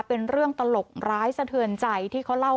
เป็นเรื่องตลกร้ายสะเทือนใจที่เขาเล่า